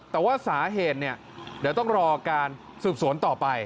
แต่ว่าสาเหตุเนี่ยเดี๋ยวต้องรอการสืบสวนต่อไป